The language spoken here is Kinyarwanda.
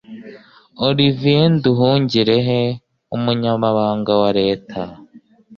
Olivier Nduhungirehe umunyamabanga wa Leta